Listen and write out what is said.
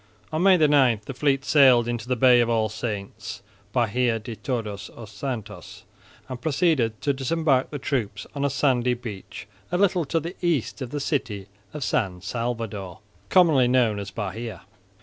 On May 9 the fleet sailed into the Bay of All Saints (Bahia de todos os Santos) and proceeded to disembark the troops on a sandy beach a little to the east of the city of San Salvador, commonly known as Bahia.